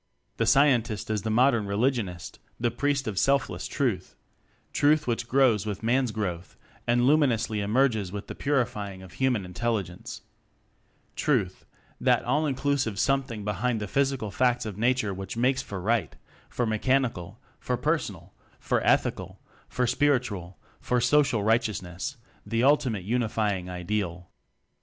The Scientist is the modern re ligionist, the priest of selfless Truth: Truth which grows with Man's growth and luminously emerges with the purifying of human Intelligence: Truth that all inclusive Something behind the physical facts of nature which makes for Right for mechan ical, for personal, for ethical, for spiritual, for social righteousness the ultimate Unifying Ideal.